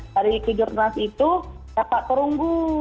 dari ke jurnas itu dapat kerunggu